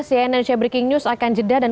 si energy breaking news akan jeda dan